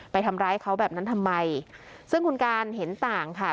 ไปทำร้ายเขาแบบนั้นทำไมซึ่งคุณการเห็นต่างค่ะ